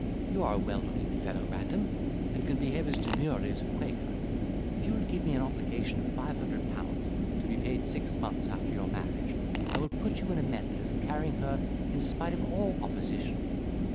You are a well looking fellow, Random, and can behave as demurely as a quaker. If you will give me an obligation of five hundred pounds, to be paid six months after your marriage, I will put you in a method of carrying her in spite of all opposition."